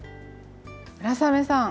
村雨さん。